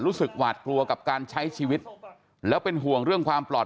หวาดกลัวกับการใช้ชีวิตแล้วเป็นห่วงเรื่องความปลอด